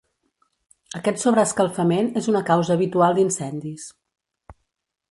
Aquest sobreescalfament és una causa habitual d'incendis.